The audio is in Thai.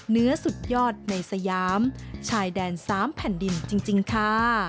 สุดยอดในสยามชายแดน๓แผ่นดินจริงค่ะ